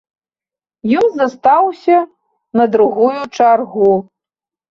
Ён застаўся на другую чаргу.